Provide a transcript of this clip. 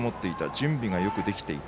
準備がよくできていた。